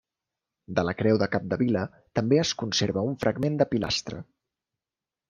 De la creu de Capdevila també es conserva un fragment de pilastra.